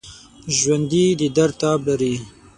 ژوندي د درد تاب لري